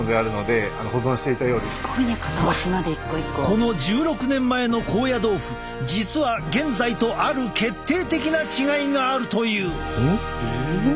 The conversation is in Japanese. この１６年前の高野豆腐実は現在とある決定的な違いがあるという！